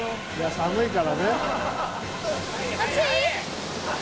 寒いからね。